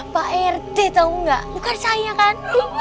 pak rt tau gak bukan saya kan